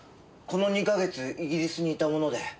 この２か月イギリスにいたもので。